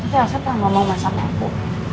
tapi elsa terlalu lama sama aku